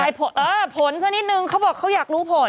ผลสักนิดนึงเขาบอกเขาอยากรู้ผล